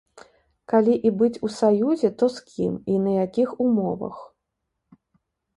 Калі і быць у саюзе, то з кім і на якіх умовах?